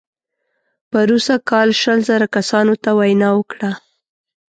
پروسږ کال شل زره کسانو ته وینا وکړه.